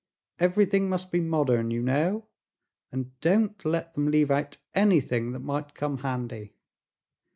Everything must be modern, you know, and don't let them leave out anything that might come handy.